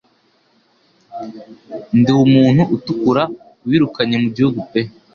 Ndi umuntu utukura wirukanye mu gihugu pe